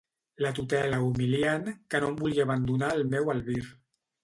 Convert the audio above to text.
La tutela humiliant, que no em volia abandonar al meu albir.